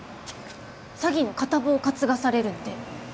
詐欺の片棒担がされるんで。